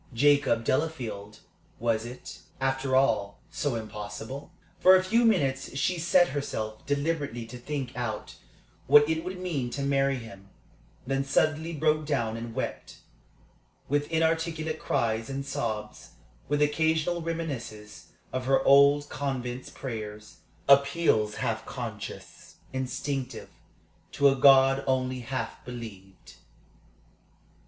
Jacob Delafield? Was it, after all, so impossible? For a few minutes she set herself deliberately to think out what it would mean to marry him; then suddenly broke down and wept, with inarticulate cries and sobs, with occasional reminiscences of her old convent's prayers, appeals half conscious, instinctive, to a God only half believed.